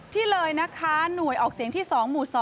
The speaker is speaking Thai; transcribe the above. ที่เลยนะคะหน่วยออกเสียงที่๒หมู่๒